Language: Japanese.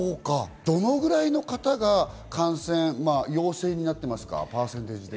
どのくらいの方が陽性となっていますか？